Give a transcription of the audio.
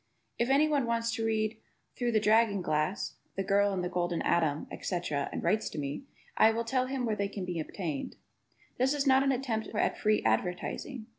If anyone wants to read "Through the Dragon Glass," "The Girl in the Golden Atom," etc, and writes to me, I will tell him where they can be obtained. (This is not an attempt at free advertising.)